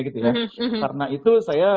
gitu ya karena itu saya